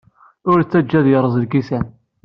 Ur t-ttajja ad yerẓ lkisan.